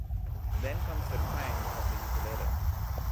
Then comes the twang of the ukulele.